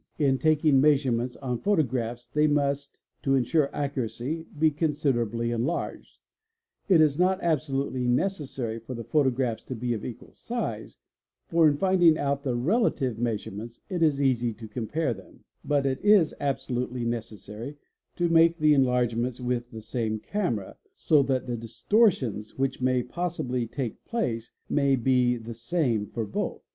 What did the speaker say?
In ~ taking measurements on photographs, they must, to ensure accuracy, , considerably enlarged. It is not absolutely necessary for the photographs to be of equal size, for in finding out the relative measurements it 1s easy to compare them; but it is absolutely necessary to make the enlarge ments with the same camera so that the distortions which may possibly take place may be the same for both.